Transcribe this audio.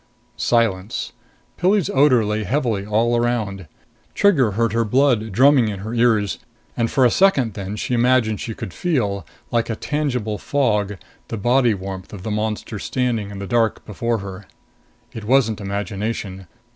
Silence. Pilli's odor lay heavily all around. Trigger heard her blood drumming in her ears, and, for a second then, she imagined she could feel, like a tangible fog, the body warmth of the monster standing in the dark before her. It wasn't imagination.